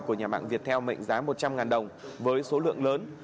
của nhà mạng viettel mệnh giá một trăm linh đồng với số lượng lớn